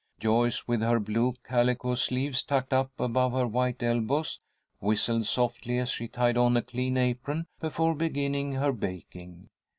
Joyce, with her blue calico sleeves tucked up above her white elbows, whistled softly as she tied on a clean apron before beginning her baking.